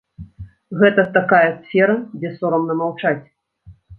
Гэта такая сфера, дзе сорамна маўчаць.